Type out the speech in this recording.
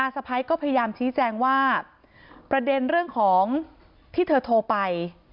สะพ้ายก็พยายามชี้แจงว่าประเด็นเรื่องของที่เธอโทรไป